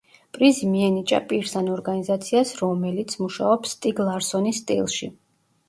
პრიზი მიენიჭა პირს ან ორგანიზაციას, რომელიც მუშაობს სტიგ ლარსონის სტილში.